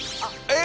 え！